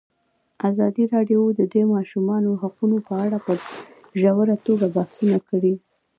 ازادي راډیو د د ماشومانو حقونه په اړه په ژوره توګه بحثونه کړي.